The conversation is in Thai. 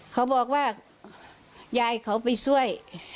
เขาบอกว่ายายเขาไปช่วย